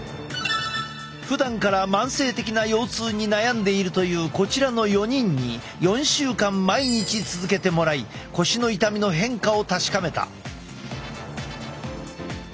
ふだんから慢性的な腰痛に悩んでいるというこちらの４人に４週間毎日続けてもらい腰の痛みの変化を確かめた。